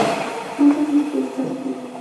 I will attempt to recall as much as I can.